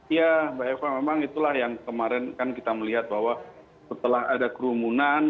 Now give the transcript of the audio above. ya mbak eva memang itulah yang kemarin kan kita melihat bahwa setelah ada kerumunan